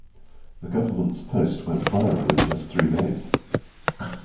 The government's post went viral in just three days.